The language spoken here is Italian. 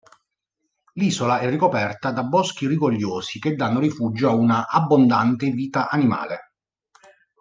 L'isola è ricoperta da boschi rigogliosi che danno rifugio a una abbondante vita animale.